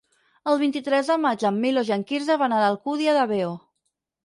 El vint-i-tres de maig en Milos i en Quirze van a l'Alcúdia de Veo.